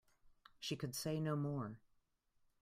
She could say no more.